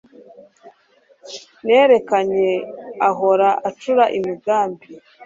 nerekanye ahora acura imigambi